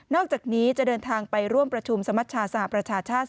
อกจากนี้จะเดินทางไปร่วมประชุมสมัชชาสหประชาชาติ